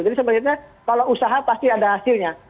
sebenarnya kalau usaha pasti ada hasilnya